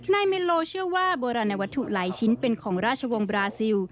เมนโลเชื่อว่าโบราณวัตถุหลายชิ้นเป็นของราชวงศ์บราซิล